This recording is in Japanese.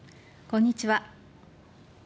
こんにちは。